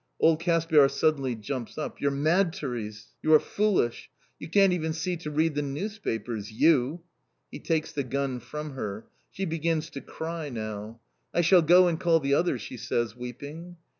Old Caspiar suddenly jumps up. "You're mad, Terèse. Vous êtes folle! You can't even see to read the newspapers, You!" He takes the gun from her! She begins to cry now. "I shall go and call the others," she says, weeping.